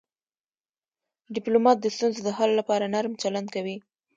ډيپلومات د ستونزو د حل لپاره نرم چلند کوي.